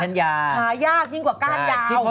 หายากยิ่งกว่าก้านยาว